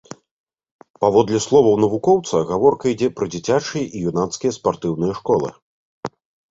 Паводле словаў навукоўца, гаворка ідзе пра дзіцячыя і юнацкія спартыўныя школы.